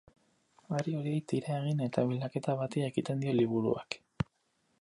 Hari horiei tira egin eta bilaketa bati ekiten dio liburuak.